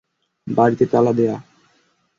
বাড়িতে তালা দেওয়া।